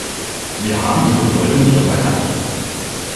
Wir haben ihre Bedeutung jedoch erkannt.